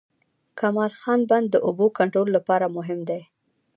کمال خان بند د اوبو کنټرول لپاره مهم دی